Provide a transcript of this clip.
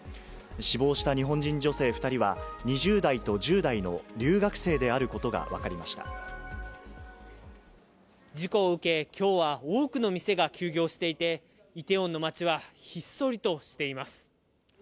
死亡した日本人女性２人は、２０代と１０代の留学生であるこ事故を受け、きょうは多くの店が休業していて、イテウォンの街はひっそりとしています。